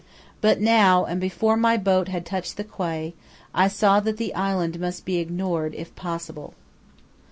But now, and before my boat had touched the quay, I saw that the island must be ignored if possible.